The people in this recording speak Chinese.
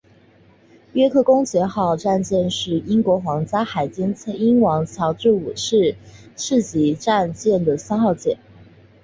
约克公爵号战舰是英国皇家海军英王乔治五世级战列舰的三号舰。